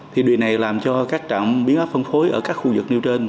thì điều này làm cho các trạm biến áp phân phối ở các khu vực nêu trên